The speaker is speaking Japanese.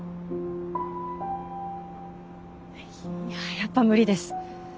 やっぱ無理です。